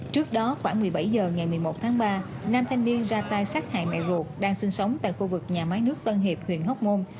trước đó khoảng một mươi bảy h ngày một mươi một tháng ba nam thanh niên ra tay sát hại mẹ ruột đang sinh sống tại khu vực nhà máy nước tân hiệp huyện hóc môn